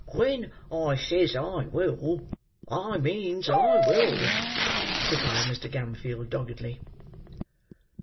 "When I says I will, I means I will," replied Mr. Gamfield doggedly.